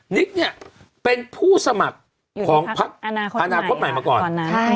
นิกเนี้ยเป็นผู้สมัครของพักอนาคตใหม่มาก่อนใช่